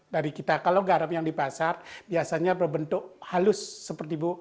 dari kita kalau garam yang di pasar biasanya berbentuk halus seperti bu